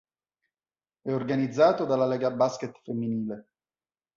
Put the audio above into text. È organizzato dalla LegA Basket Femminile.